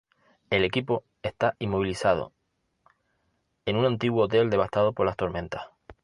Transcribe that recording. El equipo está inmovilizado en un antiguo hotel devastado por las tormentas.